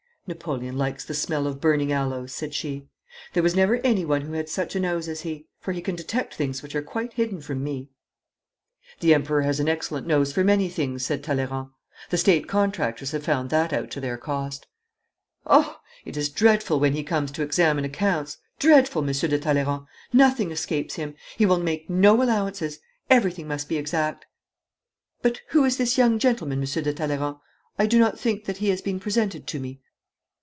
'Napoleon likes the smell of burning aloes,' said she. 'There was never anyone who had such a nose as he, for he can detect things which are quite hidden from me.' 'The Emperor has an excellent nose for many things,' said Talleyrand. 'The State contractors have found that out to their cost.' 'Oh, it is dreadful when he comes to examine accounts dreadful, Monsieur de Talleyrand! Nothing escapes him. He will make no allowances. Everything must be exact. But who is this young gentleman, Monsieur de Talleyrand? I do not think that he has been presented to me.'